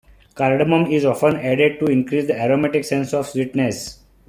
Cardamom is often added to increase the aromatic sense of sweetness.